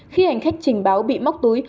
khi hành khách trình báo bị móc túi